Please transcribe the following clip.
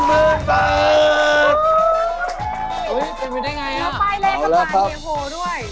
มีป้ายแรกขวาทีมหัวด้วย